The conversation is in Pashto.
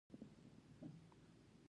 صيب خبره ډېره عاجله ده.